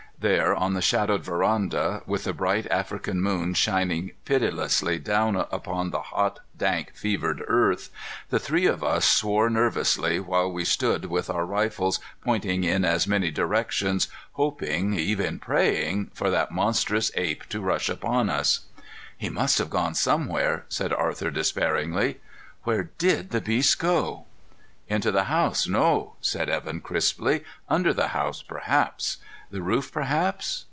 There on the shadowed veranda, with the bright African moon shining pitilessly down upon the hot, dank, fevered earth, the three of us swore nervously while we stood with our rifles pointing in as many directions, hoping, even praying for that monstrous ape to rush upon us. "He must have gone somewhere!" said Arthur despairingly. "Where did the beast go?" "Into the house, no," said Evan crisply. "Under the house, perhaps. The roof, perhaps.